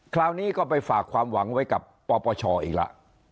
คราวนี้ก็ไปฝากความหวังไว้กับปปชอีกแล้ว